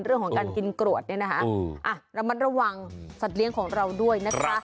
เรื่องของการกินกรวดเนี่ยนะคะระมัดระวังสัตว์เลี้ยงของเราด้วยนะคะ